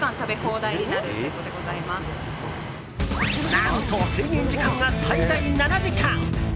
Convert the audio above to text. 何と、制限時間が最大７時間。